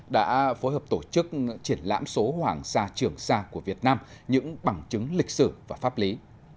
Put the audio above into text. đã phối hợp tổ chức triển lãm số hoàng sa trường sa của việt nam những bằng chứng lịch sử và pháp lý